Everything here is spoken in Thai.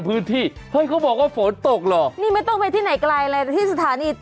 พื้นที่เฮ้ยเขาบอกว่าฝนตกเหรอนี่ไม่ต้องไปที่ไหนไกลเลยที่สถานี